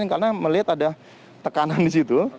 karena melihat ada tekanan di situ